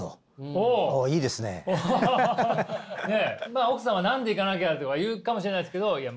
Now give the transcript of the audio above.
まあ奥さんは「何で行かなきゃ」とか言うかもしれないですけどいや